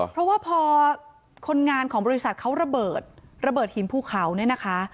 เพราะว่าพอคนงานของบริษัทเขาระเบิดระเบิดหินภูเขาเนี่ยนะคะ